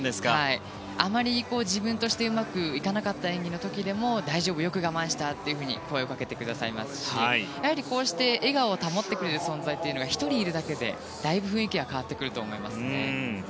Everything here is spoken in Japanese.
あまり自分としてうまくいかなかった演技の時でも大丈夫、よく我慢したと声をかけてくださりますしこうして、笑顔を保ってくれる存在というのが１人いるだけでだいぶ雰囲気は変わってくると思います。